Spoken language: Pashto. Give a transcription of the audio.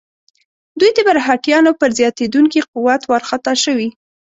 دوی د مرهټیانو پر زیاتېدونکي قوت وارخطا شوي.